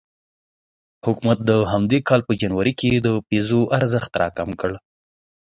حکومت د همدې کال په جنوري کې د پیزو ارزښت راټیټ کړ.